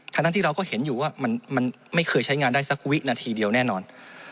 ทั้งที่เราก็เห็นอยู่ว่ามันไม่เคยใช้งานได้สักวินาทีเดียวแน่นอน